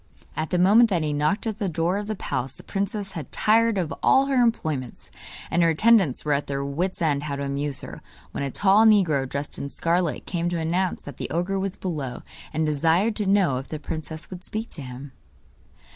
At the moment that he knocked at the door of the palace the princess had tired of all her employments, and her attendants were at their wits' end how to amuse her, when a tall negro dressed in scarlet came to announce that the ogre was below, and desired to know if the princess would speak to him.